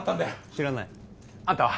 知らないあんたは？